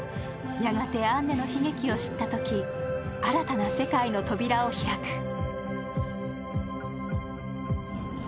やがてアンネの悲劇を知ったとき、新たな世界の扉を開く。